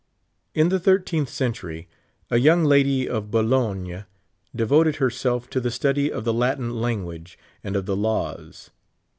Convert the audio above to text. In the thirteenth century, a young lady of Bologne de voted herself to the study of the Latin language and of the laws.